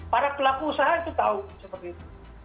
para pelaku usaha itu tahu seperti itu